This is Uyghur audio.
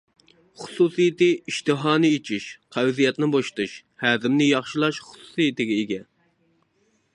خۇسۇسىيىتى ئىشتىھانى ئېچىش، قەۋزىيەتنى بوشىتىش، ھەزىمنى ياخشىلاش خۇسۇسىيىتىگە ئىگە.